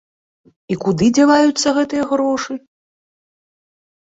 І куды дзяваюцца гэтыя грошы?